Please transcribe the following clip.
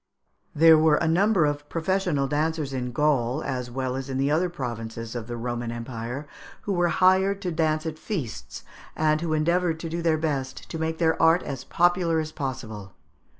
There were a number of professional dancers in Gaul, as well as in the other provinces of the Roman Empire, who were hired to dance at feasts, and who endeavoured to do their best to make their art as popular as possible.